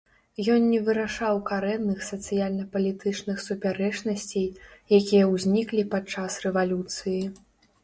Ён не вырашаў карэнных сацыяльна-палітычных супярэчнасцей, якія ўзніклі падчас рэвалюцыі.